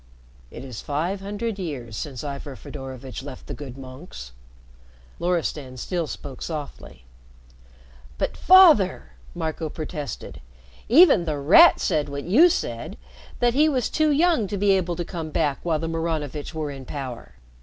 "It is five hundred years since Ivor Fedorovitch left the good monks." Loristan still spoke softly. "But, Father," Marco protested, "even The Rat said what you said that he was too young to be able to come back while the Maranovitch were in power.